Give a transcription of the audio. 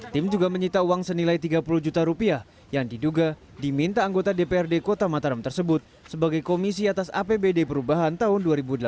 tim juga menyita uang senilai tiga puluh juta rupiah yang diduga diminta anggota dprd kota mataram tersebut sebagai komisi atas apbd perubahan tahun dua ribu delapan belas